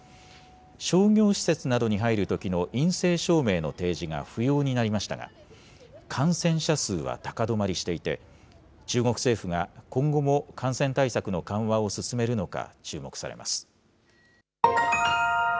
商業施設などに入るときの陰性証明の提示が不要になりましたが、感染者数は高止まりしていて、中国政府が今後も感染対策の緩和を進めるのか注目されます。